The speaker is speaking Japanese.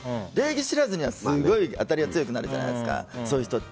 礼儀知らずにはすごい当たりが強くなるじゃないですか。